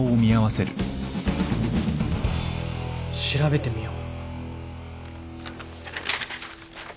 調べてみよう。